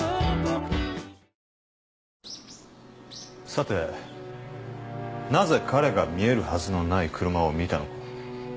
さてなぜ彼が見えるはずのない車を見たのか。